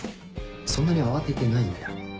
そんなに慌ててないんだ。